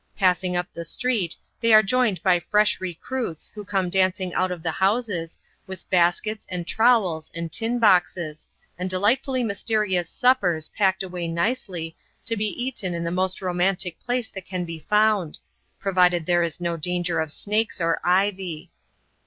Passing up the street, they are joined by fresh recruits, who come dancing out of the houses, with baskets, and trowels, and tin boxes, and delightfully mysterious suppers packed away nicely, to be eaten in the most romantic place that can be found, provided there is no danger of snakes, or ivy.